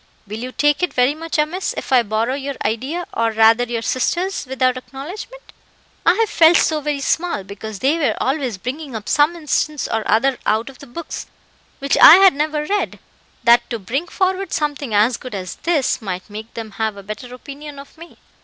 Will you take it very much amiss if I borrow your idea, or rather your sister's, without acknowledgement? I have felt so very small, because they were always bringing up some instance or other out of books which I had never read, that to bring forward something as good as this, might make them have a better opinion of me."